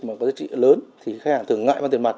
mà có giá trị lớn thì khách hàng thường ngại bằng tiền mặt